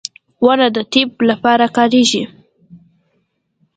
• ونه د طب لپاره کارېږي.